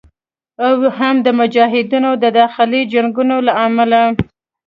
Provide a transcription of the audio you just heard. او هم د مجاهدینو د داخلي جنګونو له امله